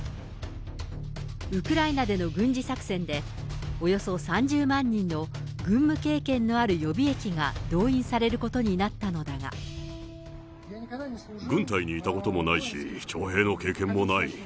ウクライナでの軍事作戦で、およそ３０万人の軍務経験のある予備役が動員されることになった軍隊にいたこともないし、徴兵の経験もない。